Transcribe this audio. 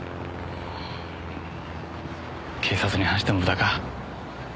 警察に話しても無駄か。